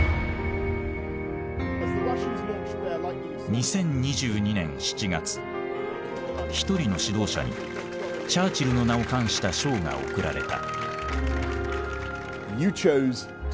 ２０２２年７月一人の指導者にチャーチルの名を冠した賞が贈られた。